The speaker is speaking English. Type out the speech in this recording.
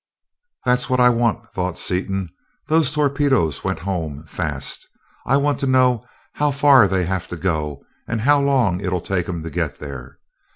"That's what I want," thought Seaton. "Those torpedoes went home, fast. I want to know how far they have to go and how long it'll take them to get there.